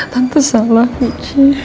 tante salah michi